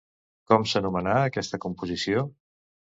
Com s'anomenà aquesta composició?